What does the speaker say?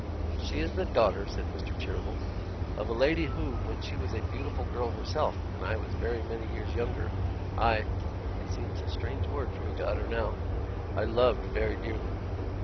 'She is the daughter,' said Mr. Cheeryble, 'of a lady who, when she was a beautiful girl herself, and I was very many years younger, I it seems a strange word for me to utter now I loved very dearly.